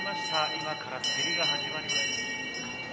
今から競りが始まります。